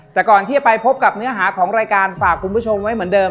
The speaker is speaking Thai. แต่ก่อนที่จะไปพบกับเนื้อหาของรายการฝากคุณผู้ชมไว้เหมือนเดิม